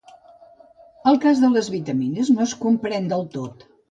El cas de les vitamines no es comprèn del tot.